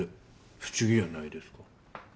不思議やないですか？